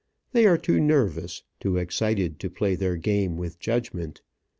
They are too nervous, too excited to play their game with judgment.